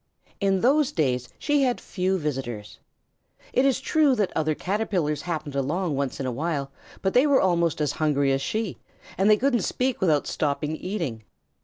In those days she had few visitors. It is true that other Caterpillars happened along once in a while, but they were almost as hungry as she, and they couldn't speak without stopping eating.